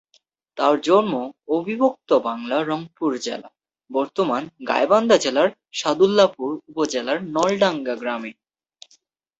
তার জন্ম অবিভক্ত বাংলার রংপুর জেলা, বর্তমান গাইবান্ধা জেলার সাদুল্লাপুর উপজেলার নলডাঙ্গা গ্রামে।